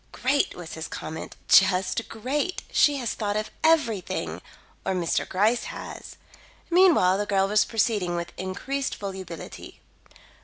"Great!" was his comment. "Just great! She has thought of everything or Mr. Gryce has." Meanwhile, the girl was proceeding with increased volubility.